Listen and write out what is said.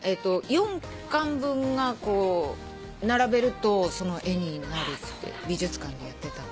４巻分が並べるとその絵になるって美術館でやってた。